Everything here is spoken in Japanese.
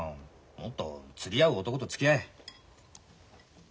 もっと釣り合う男とつきあえ。